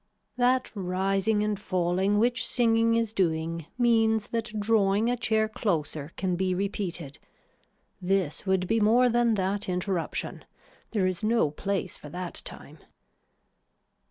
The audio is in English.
That rising and falling which singing is doing means that drawing a chair closer can be repeated. This would be more than that interruption. There is no place for that time.